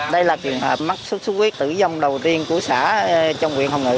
đây là trường hợp mắc sốt xuất huyết tử vong đầu tiên của xã trong huyện hồng ngự